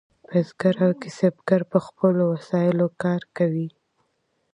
بزګر او کسبګر په خپلو وسایلو کار کوي.